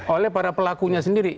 oleh para pelakunya sendiri